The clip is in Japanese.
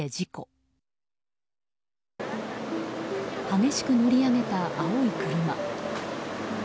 激しく乗り上げた青い車。